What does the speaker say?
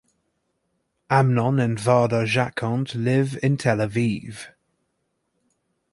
Amnon and Varda Jackont live in Tel Aviv.